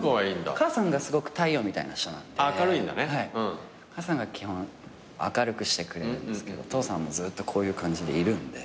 母さんがすごく太陽みたいな人なんで母さんが基本明るくしてくれるんですけど父さんはずっとこういう感じでいるんで。